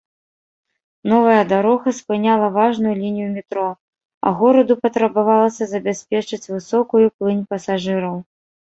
Новая дарога спыняла важную лінію метро, а гораду патрабавалася забяспечыць высокую плынь пасажыраў.